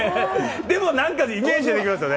でも、なんかイメージはできますよね。